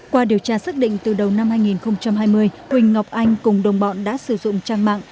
qua điều tra xác định từ đầu năm hai nghìn hai mươi huỳnh ngọc anh cùng đồng bọn đã sử dụng trang mạng